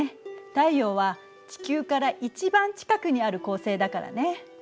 太陽は地球から一番近くにある恒星だからね。